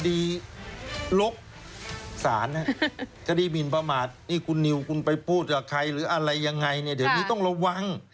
ลกศาลคดีหมินประมาทนี่คุณนิวคุณไปพูดกับใครหรืออะไรยังไงเนี่ยเดี๋ยวนี้ต้องระวัง